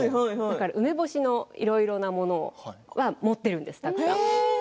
梅干しのいろいろなものを持ってるんです、たくさん。